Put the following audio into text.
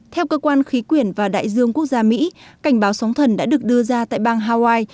theo cơ quan khí quyển và đại dương quốc gia mỹ cảnh báo sóng thần đã được đưa ra tại bang hawaii